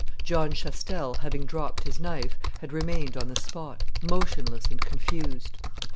John Chastel, having dropped his knife, had remained on the spot, motionless and confused.